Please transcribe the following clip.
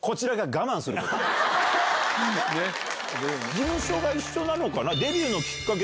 事務所が一緒なのかな？